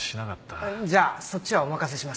じゃあそっちはお任せします。